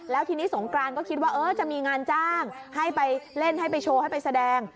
แล้วทีนี้สงกรานก็คิดว่าจะมีงานจ้างให้ไปเล่นให้ไปโชว์ให้ไปแสดง